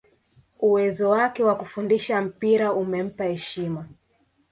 uwezo wake wa kufundisha mpira umempa heshima